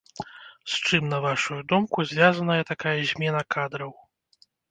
З чым, на вашую думку, звязаная такая змена кадраў?